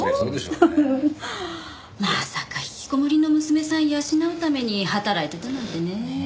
まさか引きこもりの娘さんを養うために働いてたなんてねえ。